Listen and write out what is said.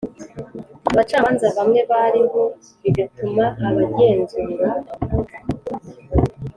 abacamanza bamwe bariho, bigatuma abagenzura